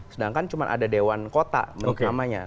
sedangkan cuma ada dewan kota namanya